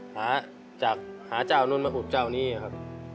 หาจากหาเจ้านู้นมาหุบเจ้านี้ครับ